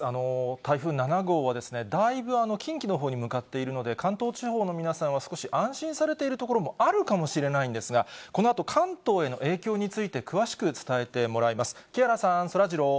台風７号はですね、だいぶ近畿のほうに向かっているので、関東地方の皆さんは少し安心されているところもあるかもしれないんですが、このあと、関東への影響について、詳しく伝えてもらいます。